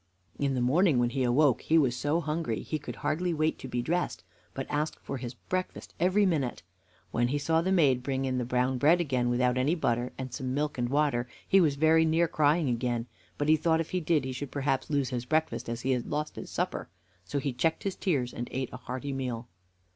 In the morning, when he awoke, he was so hungry he could hardly wait to be dressed, but asked for his breakfast every minute. When he saw the maid bring in the brown bread again without any butter, and some milk and water, he was very near crying again; but he thought if he did he should perhaps lose his breakfast as he had lost his supper, so he checked his tears, and ate a hearty meal.